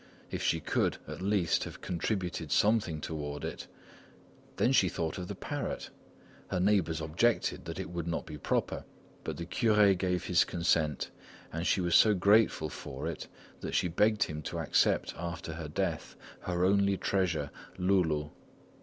If she could, at least, have contributed something toward it! Then she thought of the parrot. Her neighbours objected that it would not be proper. But the curé gave his consent and she was so grateful for it that she begged him to accept after her death, her only treasure, Loulou.